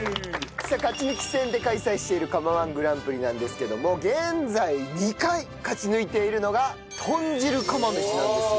さあ勝ち抜き戦で開催している釜−１グランプリなんですけども現在２回勝ち抜いているのが豚汁釜飯なんですよ。